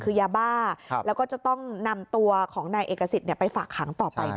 คือยาบ้าแล้วก็จะต้องนำตัวของนายเอกสิทธิ์ไปฝากขังต่อไปด้วย